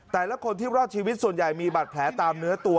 แต่ละคนที่รอดชีวิตส่วนใหญ่มีบาดแผลตามเนื้อตัว